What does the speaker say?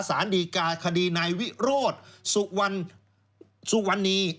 ศาลดีการคดีนายวิโรธสุวรรณี